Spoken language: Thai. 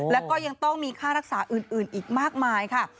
แล้วก็ยังต้องมีค่ารักษาอื่นอีกมากมายค่ะ